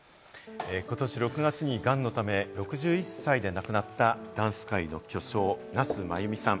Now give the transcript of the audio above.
ことし６月にがんのため６１歳で亡くなったダンス界の巨匠・夏まゆみさん。